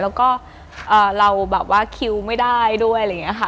แล้วก็เราแบบว่าคิวไม่ได้ด้วยอะไรอย่างนี้ค่ะ